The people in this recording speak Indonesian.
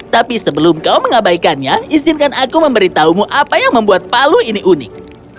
tapi sebelum kau mengabaikannya izinkan aku memberitahumu apa yang membuat palu ini unik